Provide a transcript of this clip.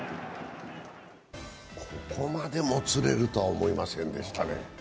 ここまでもつれるとは思いませんでしたね。